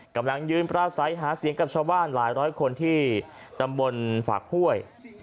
กำลังยืนปราศัยหาเสียงกับชาวบ้านหลายร้อยคนที่ตำบลฝากห้วย